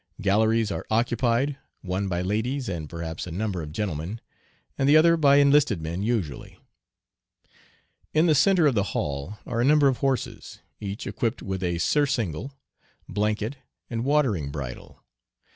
Galleries are occupied, one by ladies, and, perhaps a number of gentlemen, and the other by enlisted men usually. In the centre of the hall are a number of horses, each equipped with a surcingle, blanket, and watering bridle.